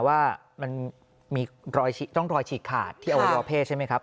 ว่ามันต้องรอยฉีกขาดที่เอาไว้รอเพศใช่ไหมครับ